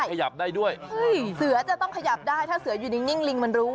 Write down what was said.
ขยับได้ด้วยเสือจะต้องขยับได้ถ้าเสืออยู่นิ่งลิงมันรู้